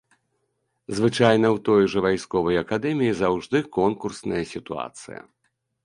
Звычайна, у той жа вайсковай акадэміі заўжды конкурсная сітуацыя.